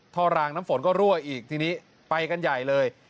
รางน้ำฝนก็รั่วอีกทีนี้ไปกันใหญ่เลย